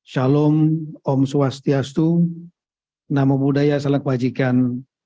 shalom om swastiastu namo buddhaya salam kebajikan